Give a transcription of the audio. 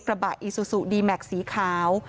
กระบะอีซูซูดีแม็กซ์สีขาว